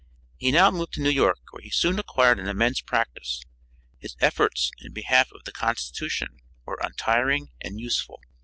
He now moved to New York where he soon acquired an immense practice. His efforts in behalf of the constitution were untiring and useful.